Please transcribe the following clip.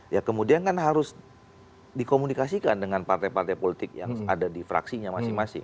ya kemudian kan harus dikomunikasikan dengan partai partai politik yang ada di fraksinya masing masing